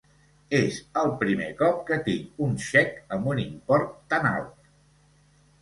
És el primer cop que tinc un xec amb un import tan alt.